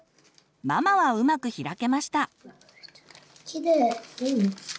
ママはうまく開けました。